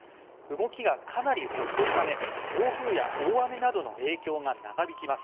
動きがかなり遅いため暴風雨や大雨などの影響が長引きます。